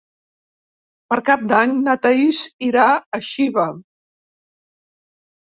Per Cap d'Any na Thaís irà a Xiva.